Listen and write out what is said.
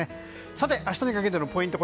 さて明日にかけてのポイント